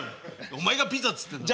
お前がピザっつってんだ。